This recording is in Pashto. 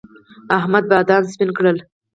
احمد بادام سپين کړل.